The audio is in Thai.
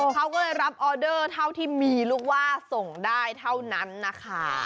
เขาก็เลยรับออเดอร์เท่าที่มีลูกว่าส่งได้เท่านั้นนะคะ